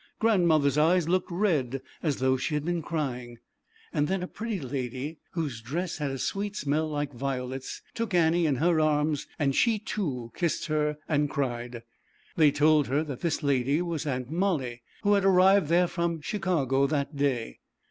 Grandmother's eyes looked red, as though she had been crying. ZAUBERLINDA, THE WISE WITCH. 247 Then a pretty lady, whose dress had a sweet smell like violets, took Annie in her arms, and she, too, kissed her and cried. They told her that this lady was Aunt Molly, who had arrived there from Chicago that day.